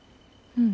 うん。